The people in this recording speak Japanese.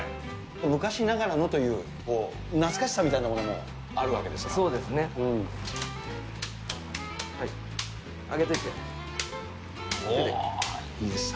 昔ながらのっていう、懐かしさみたいなものもあるわけですか？